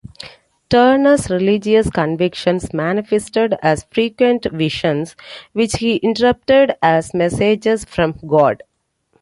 Turner's religious convictions manifested as frequent visions which he interpreted as messages from God.